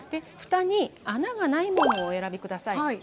ふたに穴がないものをお選び下さい。